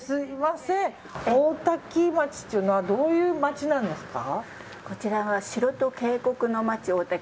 大多喜町というのはどういう町なんですか。